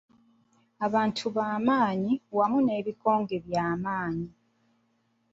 Abantu bamaanyi wamu n'ebikonge by'amaanyi.